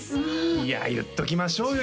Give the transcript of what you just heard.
いや言っときましょうよ